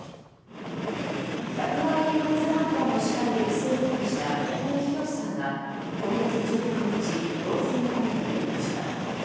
「１００万円クイズハンター」の司会で一世風靡した柳生博さんが、今月１６日老衰のため亡くなりました。